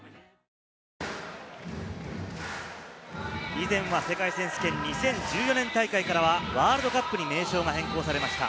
以前は世界選手権、２０１４年大会からはワールドカップに名称が変更されました。